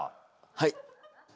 はい。